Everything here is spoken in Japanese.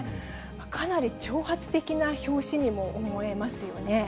かなり挑発的な表紙にも思えますよね。